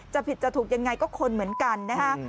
ผิดจะถูกยังไงก็คนเหมือนกันนะฮะ